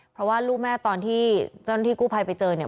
เพราะว่าลูกแม่ที่จ้อนที่กู้พายไปเจอเนี่ย